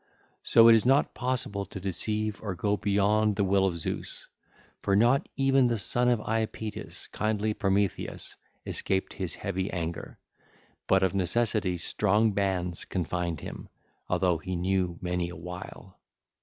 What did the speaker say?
(ll. 613 616) So it is not possible to deceive or go beyond the will of Zeus; for not even the son of Iapetus, kindly Prometheus, escaped his heavy anger, but of necessity strong bands confined him, although he knew many a wile.